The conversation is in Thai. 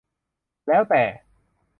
แล้วแต่